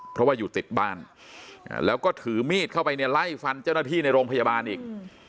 เพราะว่าอยู่ติดบ้านแล้วก็ถือมีดเข้าไปเนี่ยไล่ฟันเจ้าหน้าที่ในโรงพยาบาลอีก